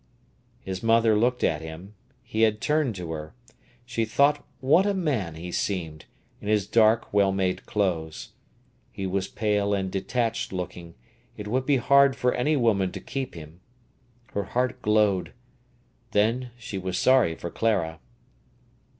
His mother looked at him; he had turned to her. She thought what a man he seemed, in his dark, well made clothes. He was pale and detached looking; it would be hard for any woman to keep him. Her heart glowed; then she was sorry for Clara.